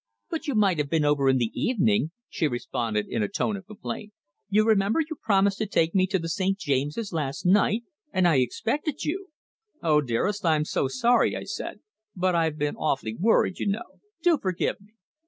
"But you might have been over in the evening," she responded in a tone of complaint. "You remember you promised to take me to the St. James's last night, and I expected you." "Oh, dearest, I'm so sorry," I said. "But I've been awfully worried, you know. Do forgive me!"